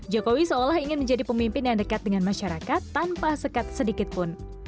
jokowi seolah ingin menjadi pemimpin yang dekat dengan masyarakat tanpa sekat sedikitpun